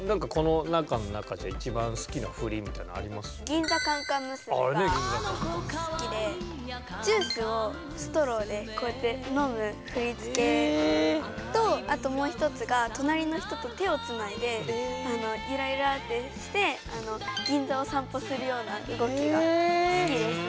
「銀座カンカン娘」が好きでジュースをストローでこうやって飲む振り付けとあともう一つが隣の人と手をつないでユラユラってして銀座を散歩するような動きが好きですね。